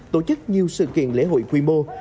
tổ chức nhiều sự kiện lễ hội quy mô